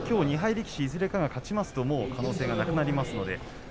力士いずれかが勝ちますともう可能性がなくなります。